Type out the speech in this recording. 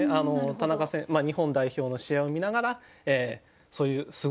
田中選手日本代表の試合を見ながらそういうすごい選手がいる。